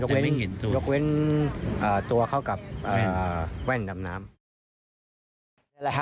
ยังอยู่ยังอยู่ยังอยู่ยกเว้นตัวเข้ากับแว่นดำน้ำ